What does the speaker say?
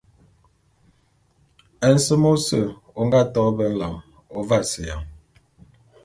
Nsem ôse ô nga to be nlam ô vaseya.